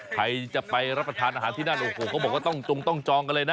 ใครจะไปรับประทานอาหารที่นั่นโอ้โหเขาบอกว่าต้องจงต้องจองกันเลยนะ